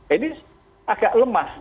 ini agak lemah